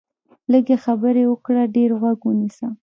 لږې خبرې وکړه، ډېر غوږ ونیسه